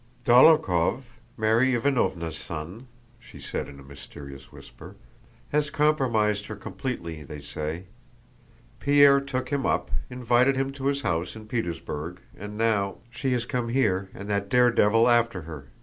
"Dólokhov, Mary Ivánovna's son," she said in a mysterious whisper, "has compromised her completely, they say. Pierre took him up, invited him to his house in Petersburg, and now... she has come here and that daredevil after her!"